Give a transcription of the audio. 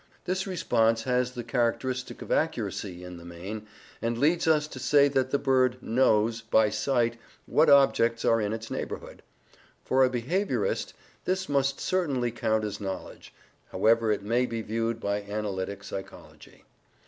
This response has the characteristic of accuracy, in the main, and leads us to say that the bird "knows," by sight, what objects are in its neighbourhood. For a behaviourist, this must certainly count as knowledge, however it may be viewed by analytic psychology.